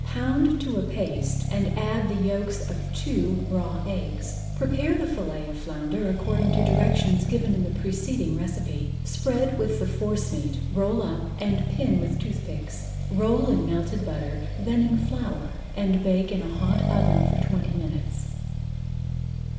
Pound to a paste, and add the yolks of two raw eggs. Prepare the fillets of flounder according to [Page 143] directions given in the preceding recipe. Spread with the forcemeat, roll up, and pin with toothpicks. Roll in melted butter, then in flour, and bake in a hot oven for twenty minutes.